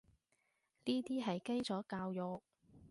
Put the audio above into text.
呢啲係基礎教育